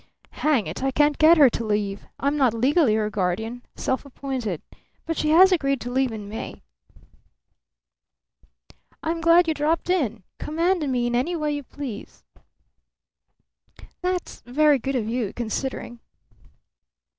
"Hang it, I can't get her to leave. I'm not legally her guardian; self appointed. But she has agreed to leave in May." "I'm glad you dropped in. Command me in any way you please." "That's very good of you, considering."